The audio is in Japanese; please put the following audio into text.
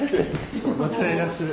また連絡する。